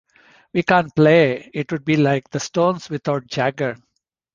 'We can't play, It would be like the Stones without Jagger.